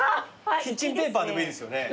キッチンペーパーでもいいですよね。